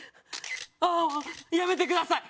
ああやめてください。